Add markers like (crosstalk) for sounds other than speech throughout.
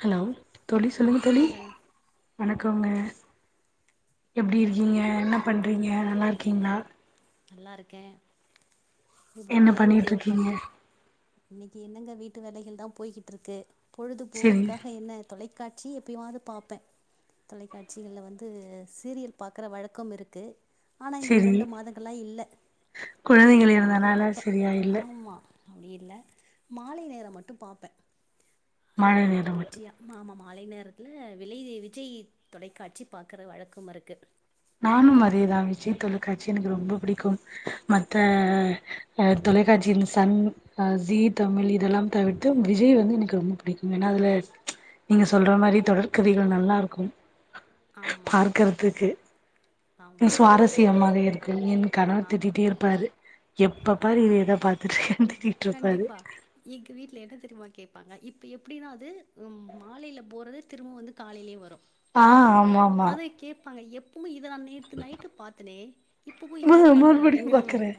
Hello தோழி சொல்லுங்க தோழி வணக்கங்க வணக்கங்க எப்டி இருக்கீங்க என்ன பண்றீங்க நல்லா இருக்கீங்களா நல்லா இருக்கே என்ன எப்படிங்க இன்னிக்கி பண்ணிட்டு இருக்கீங்க பள்ளி இன்னிக்கு என்னங்க வீட்டு வேலைகள் தா போய்கிட்டு இருக்கு செரி பொழுதுபோக்குக்காக என்ன தொலைக்காட்சி எப்பயமாவது பாப்பே தொலைக்காட்சிகள்ல வந்து சீரியல் பாக்கற வழக்கம் இருக்கு ஆனா இந்த செரி இரண்டு மாதங்கள்லா இல்ல குழந்தைகள் எப்பமாது இருந்தனால பாப்பா சரியா இல்ல ஆமா அப்டி இல்ல மாலை நேரம் மட்டு பாப்பே அந்த மழை நேரம் மட்டு தொடர்ச்சியா ஆமா மாலை நேரத்துல விலை விஜய் தொலைக்காட்சி பாக்குற வழக்கம் இருக்கு நானும் அதேதான் விஜய் தொலைக்காட்சி எனக்கு ரொம்ப பிடிக்கும் மத்த ஆ தொலைகாட்சி சன் ஆ ஜி தமிழ் இதெல்லாம் தவிர்த்து விஜய் வந்து எனக்கு ரொம்ப பிடிக்கும் ஏன்னா அதுல நீங்க சொல்ற மாரி தொடர்கதைகள் நல்லா இருக்கும் ஆமா, பார்க்கறதுக்கு ஆமா. சுவாரஸ்யமாக இருக்கு என் கணவர் திட்டிட்டே ஆம். இருப்பாரு எப்ப ஆ பாரு இதேதா பாக் (inaudible) கண்டிப்பா எங்க வீட்ல என்ன தெரியுமா கேப்பாங்க இப்ப எப்டின்னா அது மாலையில போட்றதே திரும்ப வந்து காலையிலயே வரு ஆ ஆமா ஆமா அதா கேபாங்க எப்பவுமே இத நா நேத்து நைட்டு பாத்தனே இப்போவு இதையே மறு பாக்குற மறுபடியு அப்படிங்கிறவங்க பாக்குறே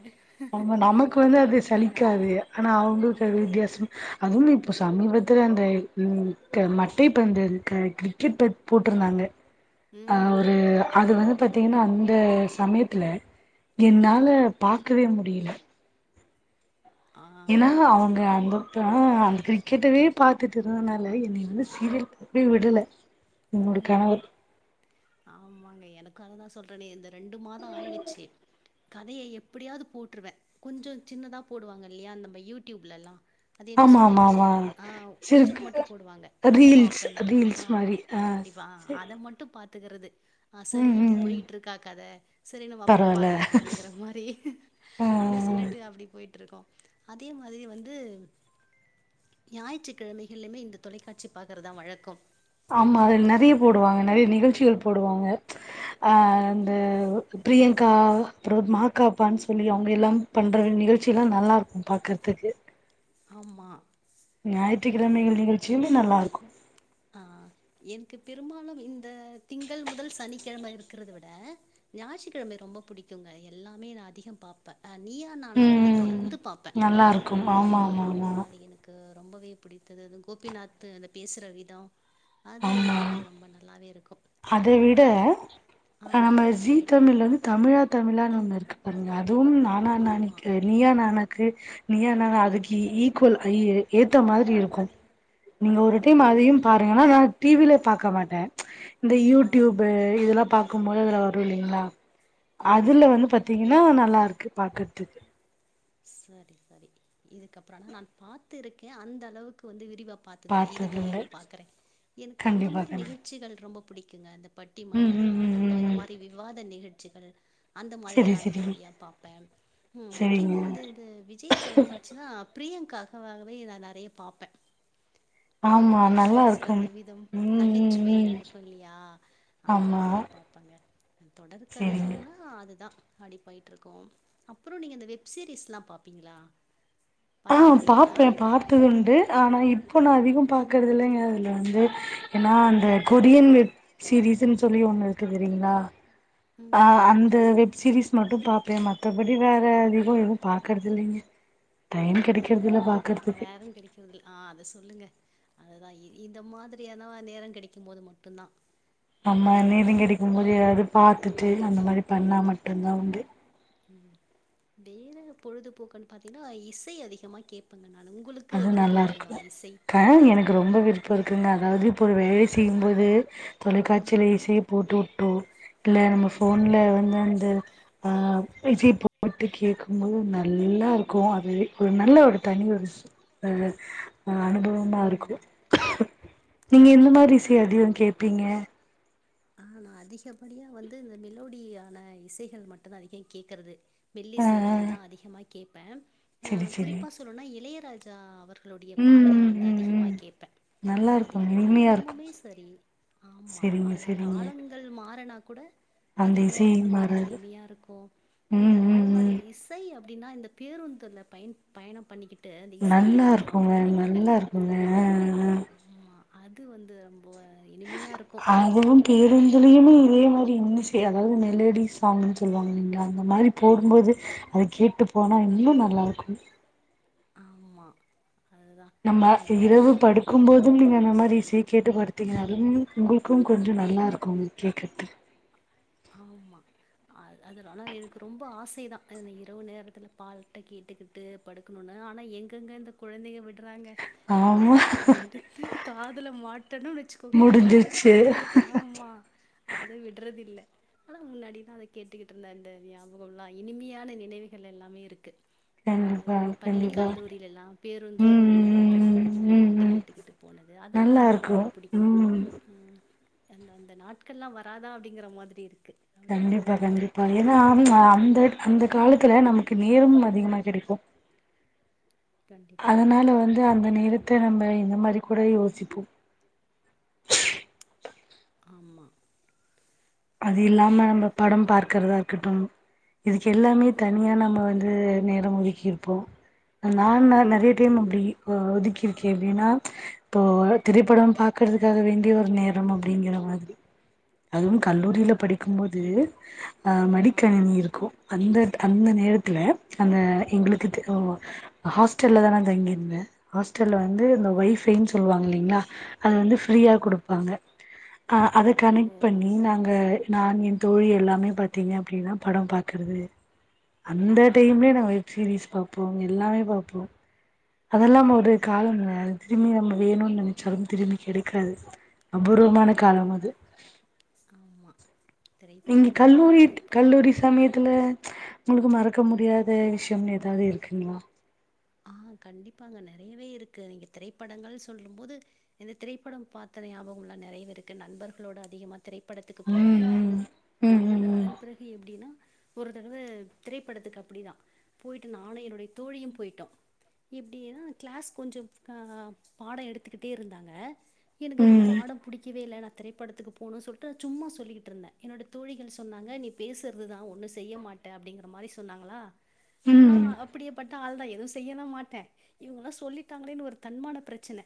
அப்டி கேப்பாங்க அதுக ஆனா அவங்களுக்கு வித்தியாசம் அதுவும் இப்ப சமீபத்தில அந்த ம் ம தே இப்ப வந்த க கிரிக்கெட் பத் போட்ருந்தாங்க அ ம். ஒரு அது வந் பாத்தீங்கன்னா அந்த சமயத்துல என்னால பாக்கவே முடியில ஆ. ஏன்னா ஓ! அவங்க அந்த ஆமா. அ அந்த கிரிக்கெட்டவே பாத்துட்டு இருந்தனால என்னை வந்து சீரியல் ப வே விடல என்னோட கனவு ம். ஆமாங்க எனக்கு அததா சொல்றேனே இந்த ரெண்டு மாசோ ஆயிடுச்சு கதைய எப்படியாவது போட்ருவே கொஞ்சோ சின்னதா போடுவாங்க இல்லையா நம்ம யூடியூப்லல்லா அது என்ன ஆமா ஆமா சொல்லுவாங்க ஆமா அ சரி கொஞ்சம மட்டு போடுவாங்க அத ரீல்ஸ் பாப்பே நானு ஆ ரீல்ஸ் மாரி ஆ கண்டிப்பா சரி அத மட்டு பாத் துக்கறது அ சரி ம் ம் இப்படி ம் போயிட்டு இருக்கா கத சரி நம்ம அப்புறம் பரவால்ல பாத்துக்கலா அப் அப்படிங்கிற மாரி ஆ அப்படி சொல்லிட்டு அப்படி போயிட்டுருக்கோ அதே மாதிரி வந்து ஞாயிற்றுக்கிழமைகள்லம்மே இந்த தொலைக்காட்சி பாக்கறதுதா வழக்கம் ஆமா அல் நறைய போடுவாங்க நறைய நிகழ்ச்சிகள் போடுவாங்க அ த பிரியங்கா அப்புறம் மா க பான் சொல்லி அவுங்க எல்லாம் பண்ற நிகழ்ச்சி எல்லா நல்லா இருக்கு பாக்கற்துக்கு ஆமா அதுதான் ஞாயிற்றுக்கிழமைகள் நிகழ்ச்சியுமே நல்லா இருக்கு ஆ என்க்கு பெரும்பாலும் இந்த திங்கள் முதல் சனிக்கிழம இருக்கரத விட ஞாயிற்றுக்கிழமை ரொம்ப புடிக்குங்க எல்லாமே நா அதிகம் பாப்பே அ நீயா நானா வந்து தொடர்ந்து பாப் நல்லாருக்கும் ஆமா ஆமா ஆமா கு ரொம்பவே புடித்தது அது கோபிநாத்து அந்த பேசுற விதோ அது ஆமா எல்லாமே ரொம்ப நல்லாவே இருக்கு அத விட நம்ம ஜீ சொல்லுங்க. தமி ழ்ல வந்து தமிழா தமிழான்னு ஒன்னு இருக்கு பாருங்க அதுவும் நானா ஆமா. நானக்கி நீயா நானாக்கு நீயா நானா அதுக்கு ஈக்கோல் ஈ ஏத்த மாதிரி இருக்கும் நீங்க ஒரு ஓ! டைம் அதையும் பாருங்கஆனா நா டி வி ல பாக்க மாட்டே இந்த ஆ, யூடியூப்பு இதெல்லா பாக்கும்போது அதுல வரு இல்லிங்களா ஆமா. அதுல வந்து பாத் திங்கனா நல்லாருக்கு பாக்குற்துக்கு சரி சரி இதுக்கப்பற ஆனா நான் பாத்து இருக்கே அந்த அளவுக்கு வந்து விரிவா பாத்ததில்ல பாத்ததுல்ல இதுக்கப்பறம் பாக்கறே எனக்கு அந்த கண்டிப்பா மாரி கண்டிப்பா நிகழ்ச்சிகள் ரொம்ப புடிக்குங்க அந்த பட்டி ம் ம் மன்றங்கள் ம் ம் ஆகட்டு இந்த ம் மாரி விவாத நிகழ்ச்சிகள் அந்த செரி மாரிலா செரி அதிகப்படியா பாப்பே ம் செரிங்க முக்கியமா வந்து இந்த விஜய் தொலைக்காட்சினா பிரியங்காகவாகவே நா நெறைய பாப்பே ஆமா அவரு அத நல்லா பேசுற இருக்கும் அந்த விதம் ம் ம் நகைச்சுவையா ம் இருக்கு இல்லயா அந்த ஆமா மாதிரி பாப்பேங்க தொடர் செரிங்க கதைகள்ன்னா னா அதுதா அடி போய்ட்ருக்கு அப்புறோ நீங்க இந்த வெப் சீரியஸ்ல்லா பாப்பீங்களா ஆ பாத்திருக்கீங்களா பாப்பே பா து வந்து ஆனா இப்போ நா அதிகம் பாக்கறது இல்லைங்க அதில வந்து ஏன்னா அ கொரியன் வெப் சீரீயஸ்சுன் சொல்லி ஒன்னு இருக்கு தெரியீங்களா அ ம் அந்த வெப் சீரிீஸ் மட்டு பாப்பே மத்தபடி வேற அதிகோ எது பாக்கறது இல்லிங்க டைம் கெடைக்கறதில்ல பாக்குறதுக்கு உண்டு ஆ அத சொல்லுங்க அதுதா இ இந்த மாதிரியானா நேரோ கெடைக்கும்போது மட்டுந்தா ஆமா அதாவது இந்த நேரங் கெடைக்கும் போது எதாவ்து பாத்துட்டு அந்த மாரி பண்ணா மட் ம் ம் வேற பொழுதுபோக்குன் பாத்தீங்கனா இசை அதிகமா கேப்பேங்க நானு உங்களுக் அது நல்லாருக்கு அ எனக்கு ரொம்ப விருப்போ இருக்குங்க அதாவ்து இப்போ ஒரு ஆ வேலை செய்யும்போது தொலைக்காட்சில ம் இசைய போட்டு வுட்டோ இல்ல நம்ம ம் போன்ல வந்து அந்த ஆ இசைய போட்டு கேக்கும் போது நல்லா இருக்கு அது ஒரு நல்ல ஒரு தனி ஒரு அ அ அனுபவமா ம் இருக்கு நீங்க எந்த மாரி கண்டிப்பா இசைய அதிகோ ஆமா கேப்பீங்க ஆ நா அதிகப்படியா வந்து இந்த மெலோடியான இசைகள் மட்டுதா அதிகோ கேக்குறது ஆ ஆ மெல்லிசைகள் தா அதிகமா கேப்பே அ செரி செரி குறிப்பா சொல்னோனா இளையராஜா அவர் களுடைய ம் பாடல்கள் ம் வந்து ம் அதிகமா ம் கேப்பே நல்லா அது இருக்கு எனக்கு இனிமையா இருக்கு இன்னமுமே சரி ஆமா செரிங்க அது செரிங்க உங்கள் மாறனா கூட அது அந்த இன்னு இசை ரொம்ப ஒரு மாறாது இனிமையா இருக்கு ம் அதே மாரி ரி இசை அப்டின்னா இந்த பேருந்துல பயன் பயணம் பண்ணி கிட் கிட்டு அந்த இசை நல்லா கேக்குறது ரொம்ப இருக்குங்க புடிக்குங்க நல்லா இருக்குங்க ஆமா அது வந்து ரொம்ப இனிமையா இருக்கு அ அ அதுவும் பேருந்துலயுமே இதே மாரி இன்னிசை அதாவ்து மெலடி சாங்குன் சொல்லுவாங்கங்க அந்த மாரி போகும்போது அத கேட்டு போனா இன்னு நல்லாருக்கு ஆமா அதுதா நம்ம இரவு படு கும்போதும் நீங்க அந்த மாதி இசைய கேட்டு படுத்திங்கனாலும் உங்களுக்கும் கொஞ்ச நல்லாருக்கும் கேக்குறதுக் ஆமா அது அதுதா ஆனா எனக்கு ரொம்ப ஆசை தா அன இரவு நேரத்துல பால்ட்ட கேட்டுக்கிட் டு படுக்கணுனு ஆனா எங்கெங்க இந்த கொழந்தைய விடுறாங்க நம்ம ஆமா அத எடுத்து காதுல மாட்டுனோ வச்சுக்கோங்களே முடிஞ்சிருச்சு அவுங்களுக்கு ஆமா அத விட்றது இல்ல ஆனா முன்னாடிதா அத கேட்டுக்கிட்டு இருந்த அந்த ஞாபகோ எல்லா இனிமையான நினைவுகள் எல்லாமே இருக்கு ம் அந்த கண்டிப்பா பள்ளி கண்டிப்பா கல்லூரில எல்லா பேருந்துல ம் ம் போகும்போது ம் ம் பாட்டு ம் ம் கேட்டுக்கிட்டு போனது அதெல்லா நல்லா இருக்கு ரொம்பவே பிடிக்கு ம் ம் அந்த அந்த நாட்கள்லா வராதா அப்டிங்கிற மாதிரி இருக்கு அப்டி கண்டிப்பா போகுது கண்டிப்பா ஏனா ம் அந்த அந்த காலத்துல நமக்கு நேரம் அதிகமா கெடைக்கு கண்டிப்பா அதனால வந்து அந்த நேரத்த நம்ம இந்த மாரி கூட யோசிப்போ ஆமா அது இல்லாம அ நம்ம படம் பாக்கிறதா இருக்கட்டும் இதுக்கு எல்லாமே ம் தனியா நம்ம வந்து நேரம் ஒதுக்கி இருப்போ நான் நாள் நெறைய டைம் ஆமா அப்டி ஒ ஒதுக்கிருக்கே எப்டின்னா இப்போ திரைப்படம் பாக்குறதுக்காக வேண்டிய ஒரு நேரம் அப்படிங்கிற மாதிரி அதுவும் ஆ கல்லூரியில படிக்கும்போது அ ஆ மடிக்கணினி இருக்கு அந்தட் அந்த நேரத்துல அந்த எங்களுக்குத் ஒ ஹாஸ்டல்ல தா நாங் தங்கிருந்தே ஹாஸ்டல்ல வந்து இந்த ஒய்ஃபைன் சொல்லுவாங்க இல்லைங்ளா அது வந்து ஃப்ரீயா ஆமா குடுப்பாங்க அ அத ஓ கனெக்ட் பண்ணி நாங் க நான் என் தோழி எல்லாமே பாத்தீங்க அப்டீன்னா படம் பாக்கறது அந்த டைம்லே நாங்க வெப் சீரீஸ் பாப்போ எல்லாமே பாப்போ அதல்லா ஒரு ஆமா காலம்ங்க அது திரும்பி நம்ம வேணோனு நெனச்சாலு திரும்பி கெடைக்காது கிடைக்காது அபூர்வமான காலமது ஆமா நீங்க திரைப்படங்கள்லா கல்லூரி இப்ப கல்லூரி சமயத்துல உங்குளுக்கு மறக்க முடியாத விஷ்யம்னு எதாவது இருக்குங்களா ஆ கண்டிப்பாங்க நறையவே இருக்கு நீங்க திரைப்படங்கள்னு சொல்லும் போது இந்த திரைப்படம் பாத்த ஞாபகங்கள்லா நறையவே இருக்கு நண்பர்களோட அதிகமா திரைப் படத்துக்கு போவே ம் ம் ம் ம் அதன் பிறகு எப்டீன்னா ஒரு தடவ திரைப்படத்துக்கு அப்டிதா போயிட்டு நானு என்னோடைய தோழியு போயிட்டோ இப்டியேதா கிளாஸ் கொஞ்சோ அ பாடோ எடுத்துக்கிட்டே இருந்தாங்க எனக்கு அது ம் பாடோ பிடிக்கவே இல்ல என திரைப்படத்துக்கு போனோ சொல்ட்டு சும்மா சொல்லிகிட்டு இர்ந்தே என்னோட தோழிகள் சொன்னாங்க நீ பேசுறதுதா ஒன்னோ செய்ய மாட் டே அப்டீங்குற மாரி சொன்னாங்களா நா ம் ம் அப்டியேப்பட்ட ஆள்தா எதுவு செய்யலா மாட்டே இவங்களா சொல்லிட்டாங்களேன்னு ஒரு தன்மான பிரச்சன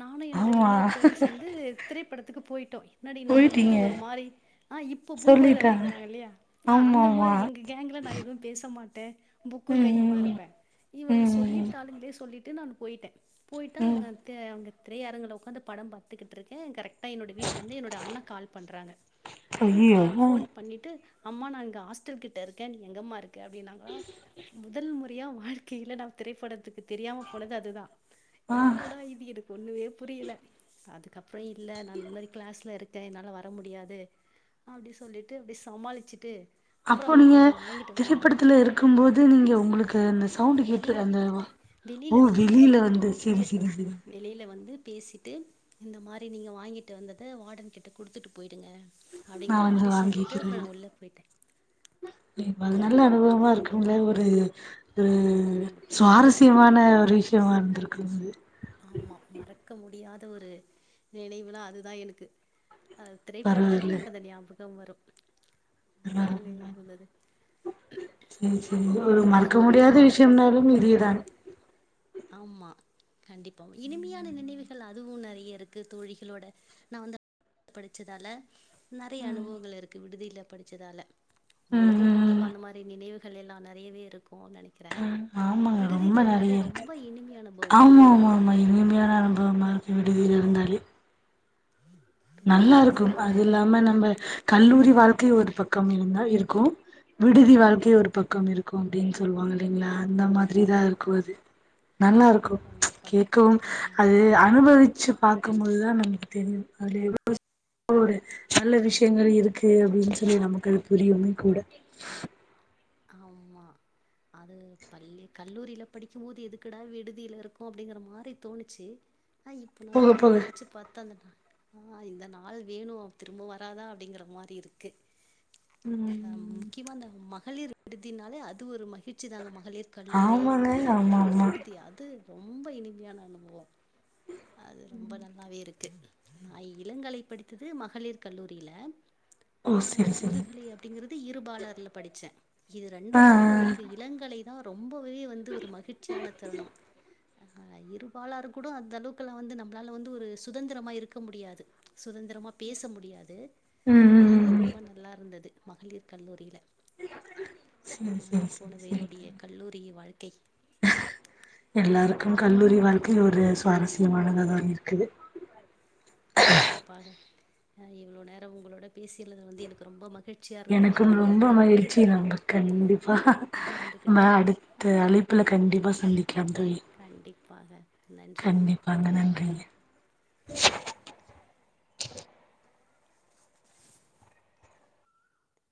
நானு என்னோடய ஆமா இன்னோரு தோழி சேந்து திரைப்படத்துக்கு போய்ட்டோ என்னாடி நம்பள வந்து போயிட்டீங்க ஒரு மாரி ஆ இப்ப பூமரு சொல்லிட்டாங்க அப்டீங்குறாங்க இல்லயா ஆமா அந்த ஆமா மாரி எங்க கேங்குல நா எதுவு பேச மாட்டே புக்கு ம் கையுமா ம் இருப்பே ம் இவளுங்க ம் சொல்லிட்டாளுங்களே சொல்லிட்டு நா போய்ட்டே போய்ட்டா ம் அங்க ட்டு அவுங்க திரையரங்குல ஒக்காந்து படம் பாத்துக்கிட்டு இருக்கே கரெக்டா என்னோடய வீட்ல இருந்து என்னோட அண்ணா கால் பண்றாங்க அ கா ஐயையோ ஃபோன் பண்ணிட்டு அம்மா நா இங்க ஹாஸ்டல் கிட்ட இருக்க நீ எங்கம்மா இருக்க அப்டீன்னாங்களா முதல் முறையா வாழ்க் கைல நா திரைப்படத்துக்கு தெரியாம போனது அதுதா ஆ என்னடா இது எனக் ஒன்னுமே புரியுல அதுக்கப்புறோ இல்ல நா இந்த மாதிரி கிளாஸ்ல இருக்கே என்னால வர முடியாது அப்டி சொல்லிட்டு அப்டி சமாளிச்சுட்டு அப்றோ அப்போ அவங்க நீங்க கொஞ்சோ வாங்கிட்டு வந்திருந்தாங்க திரைப்படத்துல இருக்கு போது நீங்க உங்குளுக்கு இந்த சவுன்டு கேட்டு வெளியில அந்த வந்துட்டே ஓ வெளியில வெளீல வந்து செரி செரி செரி வெளில வந்து பேசிட்டு இந்த மாரி நீங்க வாங்கிட்டு வந்தத வார்டன்கிட்ட குடுத்துட்டு போயிடுங்க நா அப்டீங்கற வந்து மாரி சொல்லிட்டு வாங்கிக்கிறே அப்றோ நா உள்ள போயிட்ட அப்டீ போனதுங்க இதுலா ஒரு கண்டிப்பா அதுதா சுவாரஸ்யமான ஒரு விஷயமா இருந்திருக்கோங்க இது ஆமா மறக்க முடியாத ஒரு நினைவுனா அதுதா எனக்கு அ திரைப்படம்னா பரவால்ல எனக்கு ஞாபகம் வரோ அப்டீதா இது இருந்தது செர் சேரி ஒரு உங்ககிட்ட மறக்க சொல்லும் போது முடியாத அந்த விஷ்யம்னாலும் இதேதாங் ஆமா கண்டிப்பா இனிமையான நினைவு அதுவு நறீய இருக்கு தோழிகளோட நா வந்து படிச்சதால நறைய அனுபவங்கள் இருக்கு விடுதியில படிச்சதால ம் உங்குளுக்கு ம் கண்டிப் பா ம் அந்த மாரி நினைவுகள் எல்லா நறையவே இருக்கோ நனைக்க ஆமாங்க ரொம்ப நறைய இருக்கு ரொம்ப இனிமை அனுபவம். ஆமா ஆமா ஆமா இனிமையான அனுபவமா இரு மடியுல இருந்தாலே (inaudible) நல்லா இருக்கோ சேர்ந்து. அது இல்லாம நம்ம கல்லூரி வாழ்க்கை ஒரு பக்கோ இருந்தா இருக்கோ விடுதி வாழ்க்கை ஒரு பக்கோ இருக்கோ அப்டீன்னு சொல்லுவாங்க இல்லீங்களா அந்த மாரி பெரிதா இருக்கு அது நல்லா இருக்கும் கண்டிப்பா. கேட்கவும் ஆமா, அது அனுபவிச்சு பாக்குமோது தான் நமக்கு தெரியும் அதில் எவ்வளோ ஒரு நல்ல ஆமா. விஷயங்கள் இருக்கு இருக்கு அப்டின்னு சொல்லி நமக்கு அது புரியுமே கூட ஆமா அது பள்ளி கல்லூரியில படிக்குமோது எதுக்குடா விடுதியில இருக்கோம் அப்டிங்கிற மாரி தோணுச்சு ஆ இப்போ போக நமக்கு அத போக நெனச்சு பாத்தண்ணா அந்த நா ஆ இந்த நாள் வேணுங திரும்ப வராதா அப்டிங்கிற மாரி இருக்கு ம் முக்கியமா இந்த மகளிர் விடுதியினாலே அது ஒரு மகிழ் ச்சிதாங்க மகளிர் கல்லூரி ஆமாங்க ஆமா மகளிர் ஆமா விடுதி அது ரொம்ப இனிமையான அனுபவோம் அது ரொம்ப நல்லாவே இருக்கு நா இளங்கலை படித்தது மகளிர் கல்லூரியில ஓ ஆ செரி செரி முதுகலை அப்டிங்கிறது இருபாலர்ல படிச்சன் இது ஆ ரெண்டுதுல ஆ எனக்கு இளங்கலை தான் ரொம்பவே வந்து ஒரு மகிழ்ச்சியான தருணம் இருபாலாறு கூட அந்த அளவுக்கெலாம் வந்து நம்மளால வந்து ஒரு சுதந்திரமாக இருக்க முடியாது சுதந்திரமா பேச முடியாது ம் ம் இது ம் ம் ரொம்ப நல்லா இருந்தது மகளிர் கல்லூரியில அப்டி செரி தாங்க செரி செரி போனது செரி என்னுடைய கல்லூரியின் வாழ்க்கை எல்லாருக்கு கல்லூரியின் கண்டிப்பா வாழ்க்கை ஒரு சுவாரஸ்யமானதுதான் இருக்கு கண்டிப்பாக இவ்வளவு நேரோம் உங்களோட பேசியது வந்து எனக்கு ரொம்ப மகிழ் எனக்கு ரொம்ப மகிழ்ச்சி நம்ப கண்டிப்பா நம்ப பகிர்ந்துகிட்டோம் அடுத் த்து அழைப்புல கண்டிப்பா சந்திக்கலாம் தோழி கண்டிப்பாக நன்றி கண்டிப்பாங்க நன்றிங்க